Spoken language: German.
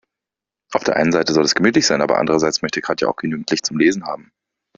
Auf der einen Seite soll es gemütlich sein, aber andererseits möchte Katja auch genügend Licht zum Lesen haben.